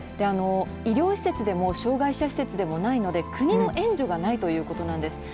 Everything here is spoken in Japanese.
医療施設でも障害者施設でもないので国の援助がないということなんです。